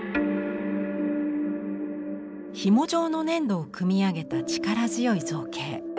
ひも状の粘土を組み上げた力強い造形。